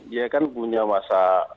dia kan punya masa